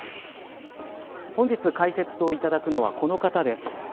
本日解説をいただくのはこの方です。